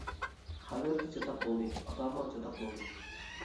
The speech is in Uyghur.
خەۋەرچى چاتاق بولدى ئاتامان چاتاق بولدى.